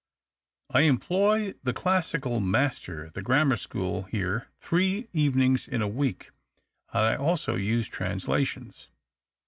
I employ the classical master at the grammar school here three evenings in a week, and I also use translations.